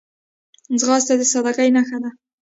ځغاسته د سادګۍ نښه ده